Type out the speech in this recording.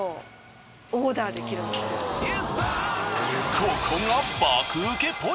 ここが。